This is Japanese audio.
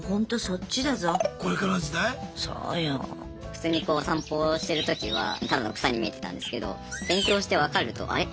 普通にこうお散歩してる時はただの草に見えてたんですけど勉強して分かるとあれ？